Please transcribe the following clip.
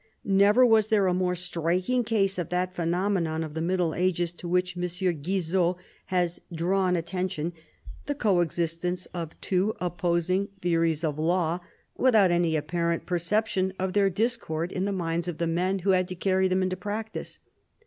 Never was there a more striking case of that phenomenon of the Middle Ages to which M. Guizot has drawn at tention, the co existence of two opposing theories of FALL OF THE LOMBARD MONARCHY. I35 law without any apparent perception of their dis cord in the minds of the men who had to carry them into practice.